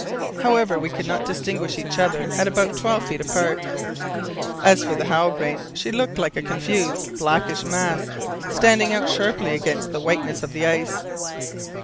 However, we could distinguish each other at about twelve feet apart. As for the Halbrane, she looked like a confused blackish mass standing out sharply against the whiteness of the ice.